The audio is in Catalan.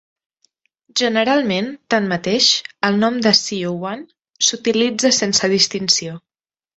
Generalment, tanmateix, el nom de "siouan" s'utilitza sense distinció.